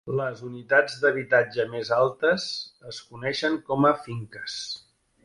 Les unitats d'habitatge més altes es coneixen com a finques.